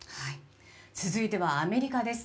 続いてはアメリカです。